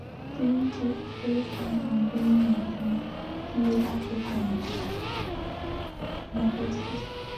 Due to Earth's ban on Green Lanterns, he left the planet, never to return.